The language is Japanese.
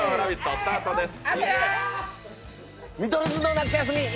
スタートです。